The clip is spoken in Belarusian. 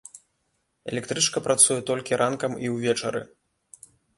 Электрычка працуе толькі ранкам і ўвечары.